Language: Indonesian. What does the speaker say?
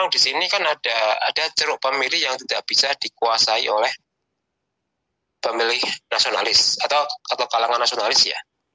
di sini kan ada ceruk pemilih yang tidak bisa dikuasai oleh pemilih nasionalis atau kalangan nasionalis ya